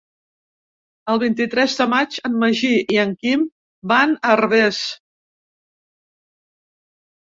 El vint-i-tres de maig en Magí i en Quim van a Herbers.